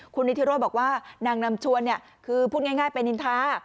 คุณนิทิโรธบอกว่านางนำชวนคือพูดง่ายเป็นนินทา